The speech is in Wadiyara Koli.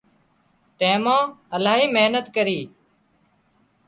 تيمان الاهي محنت ڪري